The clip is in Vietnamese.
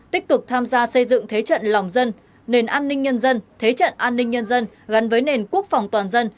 tích cực tham gia xây dựng thế trận lòng dân nền an ninh nhân dân thế trận an ninh nhân dân gắn với nền quốc phòng toàn dân